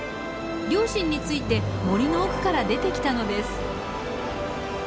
両親について森の奥から出てきたのです。